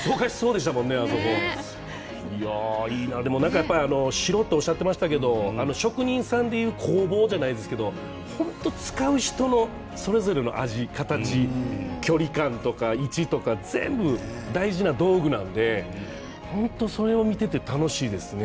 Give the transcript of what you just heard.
でもいいな城とおっしゃっていましたけど職人さんでいう工房じゃないですけど本当に使う人のそれぞれの味、形距離感とか位置とか全部、大事な道具なので本当にそれを見ていて楽しいですね。